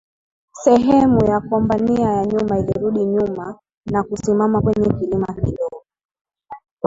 Sehemu ya kombania ya nyuma ilirudi nyuma na kusimama kwenye kilima kidogo